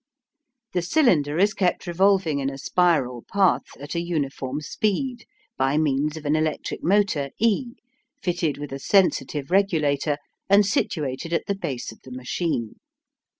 The cylinder is kept revolving in a spiral path, at a uniform speed, by means of an electric motor E, fitted with a sensitive regulator and situated at the base of the machine.